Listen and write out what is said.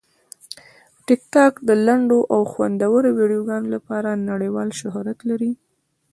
ټیکټاک د لنډو او خوندورو ویډیوګانو لپاره نړیوال شهرت لري.